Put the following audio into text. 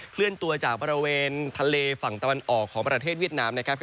เลื่อนตัวจากบริเวณทะเลฝั่งตะวันออกของประเทศเวียดนามนะครับ